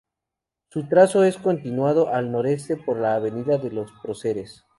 Su trazo es continuado al noreste por la avenida Los Próceres.